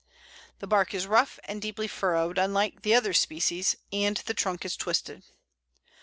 The bark is rough and deeply furrowed, unlike the other species, and the trunk is twisted.